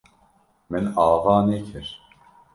Min ava nekir.